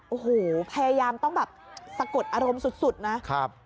โอ้โหพยายามต้องแบบสะกดอารมณ์สุดนะครับ